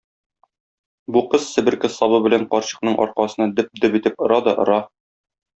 Бу кыз себерке сабы белән карчыкның аркасына дөп-дөп итеп ора да ора.